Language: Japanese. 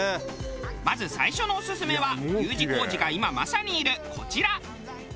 まず最初のオススメはＵ字工事が今まさにいるこちら。